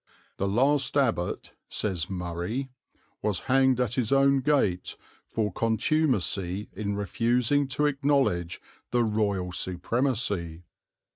"The last abbot," says Murray, "was hanged at his own gate for contumacy in refusing to acknowledge the Royal Supremacy."